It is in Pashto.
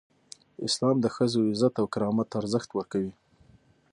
اسلام د ښځو عزت او کرامت ته ارزښت ورکوي.